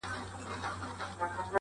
پوليس کور پلټي او هر کونج ته ځي,